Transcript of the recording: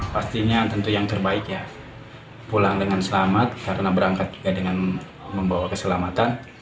pastinya tentu yang terbaik ya pulang dengan selamat karena berangkat juga dengan membawa keselamatan